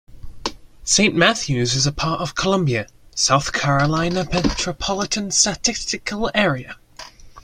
Saint Matthews is part of the Columbia, South Carolina Metropolitan Statistical Area.